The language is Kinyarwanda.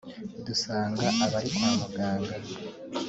dusanga abari kwa muganga